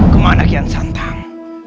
kemana kian santang